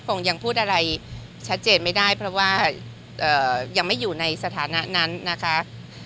คงยังพูดอะไรชัดเจนไม่ได้เพราะว่ายังไม่อยู่ในสถานะนั้นนะคะ